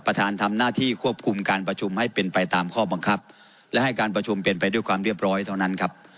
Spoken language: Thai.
ทำหน้าที่ควบคุมการประชุมให้เป็นไปตามข้อบังคับและให้การประชุมเป็นไปด้วยความเรียบร้อยเท่านั้นครับ